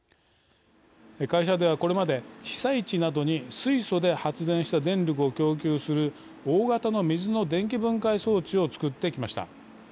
会社では、これまで被災地などに水素で発電した電力を供給する大型の水の電気分解装置を作ってきました。